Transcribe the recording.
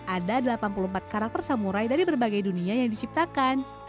ada delapan puluh empat karakter samurai dari berbagai dunia yang diciptakan